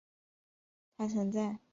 他曾在天文十一年担任武家传奏。